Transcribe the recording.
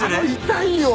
痛いよ！